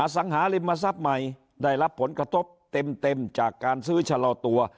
สังหาริมทรัพย์ใหม่ได้รับผลกระทบเต็มจากการซื้อชะลอตัว